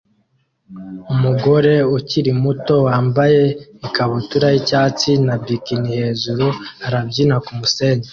Umugore ukiri muto wambaye ikabutura yicyatsi na bikini hejuru arabyina kumusenyi